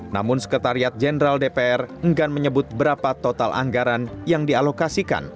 namun sekretariat jenderal dpr enggan menyebut berapa total anggaran yang dialokasikan